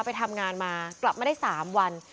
ไปทำงานมากลับมาได้๓วัน